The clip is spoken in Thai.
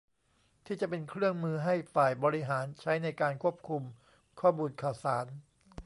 ที่จะเป็นเครื่องมือให้ฝ่ายบริหารใช้ในการควบคุมข้อมูลข่าวสาร